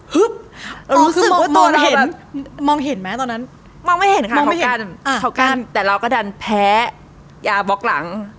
เรารู้สึกว่าตัวเราแบบมองเห็นมองเห็นไหมตอนนั้นมองไม่เห็นค่ะเขากั้นแต่เราก็ดันแพ้ยาบล็อกหลัง